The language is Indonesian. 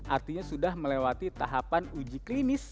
artinya sudah melewati tahapan uji klinis